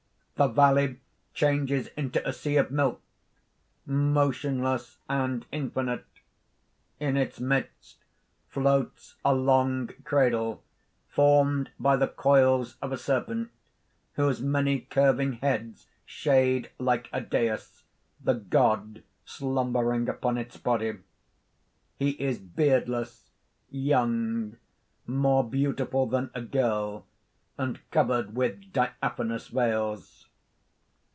(_The valley changes into a sea of milk, motionless and infinite. In its midst floats a long cradle formed by the coils of a serpent, whose many curving heads shade, like a dais, the god slumbering upon its body._ _He is beardless, young, more beautiful than a girl, and covered with diaphanous veils.